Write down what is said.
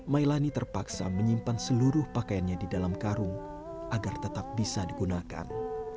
mailani terpaksa menyimpan seluruh pakaiannya di dalam karung agar tetap bisa digunakan